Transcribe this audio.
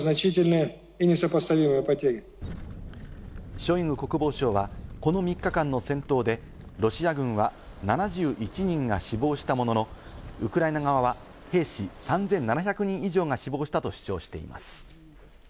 ショイグ国防相はこの３日間の戦闘で、ロシア軍は７１人が死亡したもののウクライナ側は兵士３７００人以上が死亡したと主張しています。